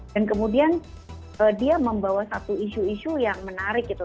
dan kemudian dia membawa satu isu isu yang menarik gitu